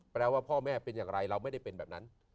แปลว่าพ่อแม่เป็นอย่างไรเราไม่ได้เป็นแบบนั้น